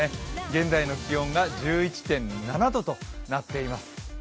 現在の気温が１１．７度となっています。